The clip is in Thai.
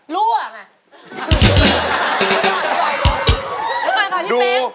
ร่วง